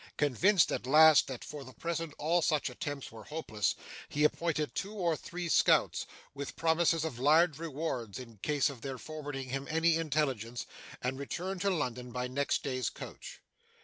Convinced at last that for the present all such attempts were hopeless, he appointed two or three scouts, with promises of large rewards in case of their forwarding him any intelligence, and returned to London by next day's coach.